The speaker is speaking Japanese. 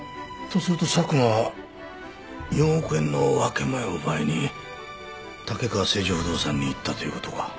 とすると佐久間は４億円の分け前を奪いに竹川成城不動産に行ったという事か。